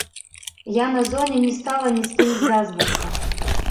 Я на зоне не стала ні з кім звязвацца.